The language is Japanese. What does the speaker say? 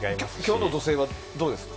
今日の土星はどうですか。